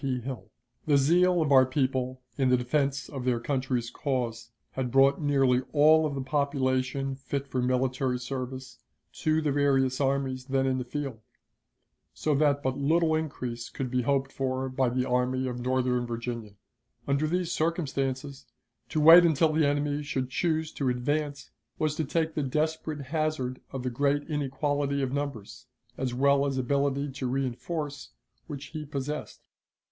P. Hill. The zeal of our people in the defense of their country's cause had brought nearly all of the population fit for military service to the various armies then in the field, so that but little increase could be hoped for by the Army of Northern Virginia. Under these circumstances, to wait until the enemy should choose to advance was to take the desperate hazard of the great inequality of numbers, as well as ability to reënforce, which he possessed.